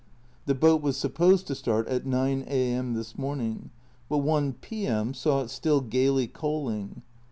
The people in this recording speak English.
The boat was supposed to start at 9 A.M. this day, but i P.M. saw it still gaily coaling.